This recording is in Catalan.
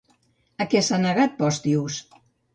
A què s'ha negat Postius?